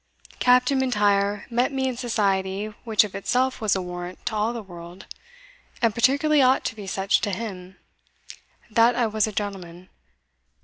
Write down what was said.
Captain M'Intyre met me in society which of itself was a warrant to all the world, and particularly ought to be such to him, that I was a gentleman.